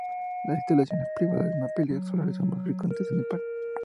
Las instalaciones privadas de paneles solares son más frecuentes en Nepal.